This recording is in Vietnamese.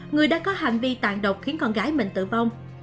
người đã có hành vi tàn độc khiến con gái mình tử vong